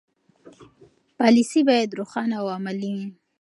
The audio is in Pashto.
پالیسي باید روښانه او عملي وي.